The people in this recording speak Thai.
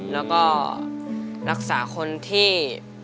แล้วก็รักษาคนที่